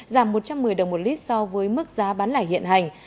giảm một trăm một mươi đồng một lít so với mức giá bán lẻ hiện hành